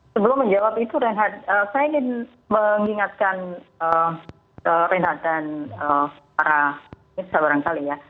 sebelum menjawab itu renhad saya ingin mengingatkan renhad dan para penyelesaian orangkali